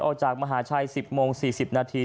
ออกจากมหาชัย๑๐โมง๔๐นาที